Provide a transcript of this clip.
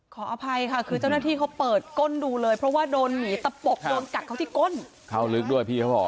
ขออภัยค่ะคือเจ้าหน้าที่เขาเปิดก้นดูเลยเพราะว่าโดนหมีตะปกโดนกัดเขาที่ก้นเข้าลึกด้วยพี่เขาบอก